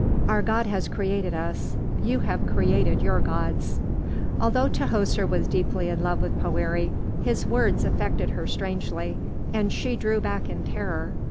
Our God has created us; you have created your gods." Although Tahoser was deeply in love with Poëri, his words affected her strangely, and she drew back in terror.